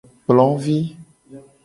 Ekplo vi.